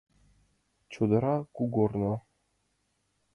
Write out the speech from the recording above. Чодыра кугорно.